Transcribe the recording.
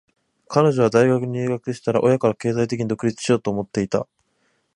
彼女は大学に入学したら、親から経済的に独立しようと思っていた。